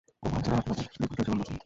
ও মাত্রই আপনার ডেপুটিদের জীবন বাঁচালো।